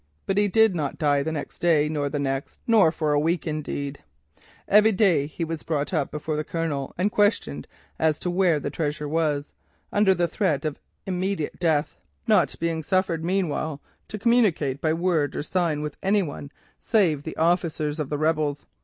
But he did not die the next day, nor the next, nor for a week, indeed. "Every day he was brought up before the Colonel, and under the threat of immediate death questioned as to where the treasure was, not being suffered meanwhile to communicate by word or sign with any one, save the officers of the rebels.